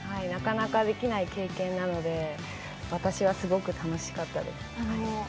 なかなかできない経験なので私はすごく楽しかったです。